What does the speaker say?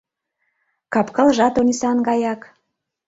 Кап-кылжат Онисан гаяк.